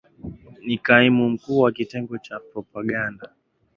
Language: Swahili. ni kaimu mkuu wa kitengo cha propaganda